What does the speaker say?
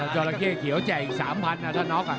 จราเกศเขียวแจ่อีก๓พันธุ์นะท่านน็อก